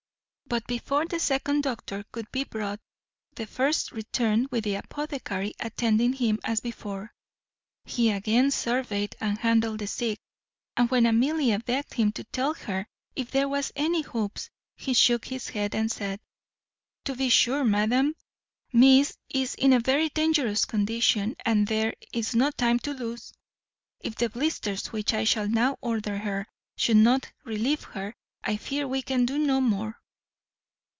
But before the second doctor could be brought, the first returned with the apothecary attending him as before. He again surveyed and handled the sick; and when Amelia begged him to tell her if there was any hopes, he shook his head, and said, "To be sure, madam, miss is in a very dangerous condition, and there is no time to lose. If the blisters which I shall now order her, should not relieve her, I fear we can do no more."